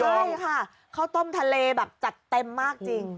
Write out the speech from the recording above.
ใช่ค่ะข้าวต้มทะเลแบบจัดเต็มมากจริง